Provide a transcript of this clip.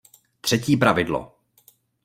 Třetí pravidlo!